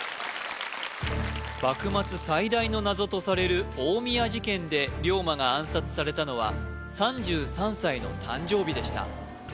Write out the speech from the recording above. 幕末最大の謎とされる近江屋事件で龍馬が暗殺されたのは３３歳の誕生日でした